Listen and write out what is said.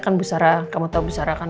ya kan busara kamu tau busara kan